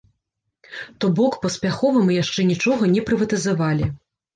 То бок, паспяхова мы яшчэ нічога не прыватызавалі.